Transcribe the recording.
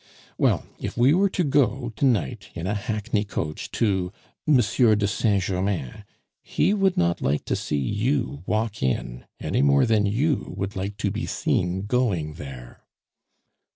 Well, if we were to go to night in a hackney coach to Monsieur de Saint Germain, he would not like to see you walk in any more than you would like to be seen going there."